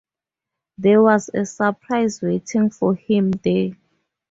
There was a surprise waiting for him there.